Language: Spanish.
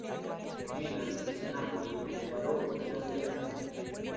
En Milan-Napoli le paró un penalti a Kaká.